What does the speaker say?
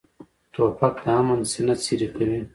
توپک د امن سینه څیرې کوي.